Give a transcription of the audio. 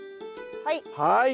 はい。